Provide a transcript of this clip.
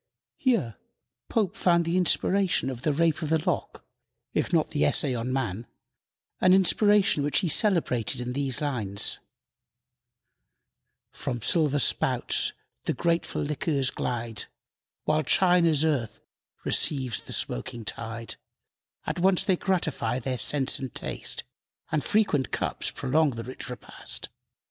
Here Pope found the inspiration of "The Rape of the Lock," if not the "Essay on Man," an inspiration which he celebrated in these lines: "From silver spouts the grateful liquors glide, While China's earth receives the smoking tide; At once they gratify their sense and taste, And frequent cups prolong the rich repast.